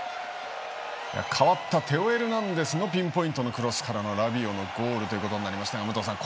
代わったテオ・エルナンデスのピンポイントのクロスからのラビオのゴールということになりましたが、武藤さん